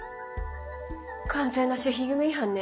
完全な守秘義務違反ね。